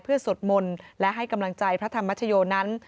เพื่อสวดมนต์และให้กำลังใจพระธรรมชโยนั้น